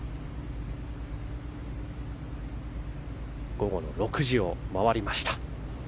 午後の６時を回りました。